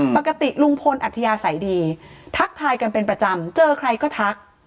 ปกติลุงพลอัธยาศัยดีทักทายกันเป็นประจำเจอใครก็ทัก